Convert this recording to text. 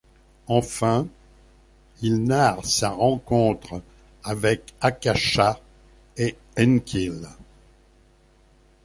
Enfin, il narre sa rencontre avec Akasha et Enkil.